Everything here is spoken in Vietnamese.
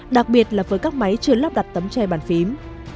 đặc biệt là với các máy chưa lắp đặt tấm tre bàn phím